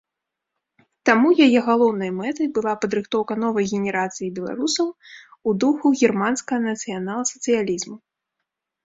Таму яе галоўнай мэтай была падрыхтоўка новай генерацыі беларусаў у духу германскага нацыянал-сацыялізму.